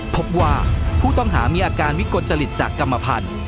พบว่าผู้ต้องหามีอาการวิกลจริตจากกรรมพันธุ์